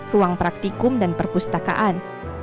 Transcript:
ruang praktikum dan perpustakaan